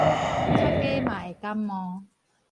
較加嘛會感冒